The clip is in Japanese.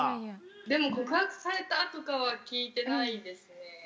でも告白されたとかは聞いてないですね。